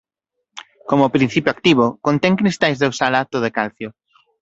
Como principio activo contén cristais de oxalato de calcio.